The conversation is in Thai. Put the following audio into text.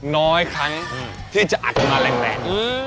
น้อยครั้งที่จะอาจจะมาแรงแปลน